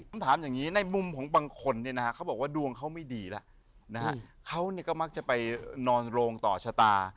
ผมถามอย่างนี้ในมุมของบางคนเนี่ยนะฮะเขาบอกว่าดวงเขาไม่ดีแล้วนะฮะเขาก็มักจะไปนอนโรงต่อชะตา